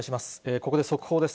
ここで速報です。